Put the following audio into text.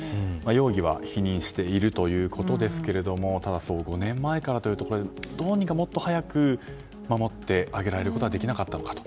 容疑は否認しているということですがただ、５年前からということでどうにかもっと早く守ってあげられることはできなかったのかと。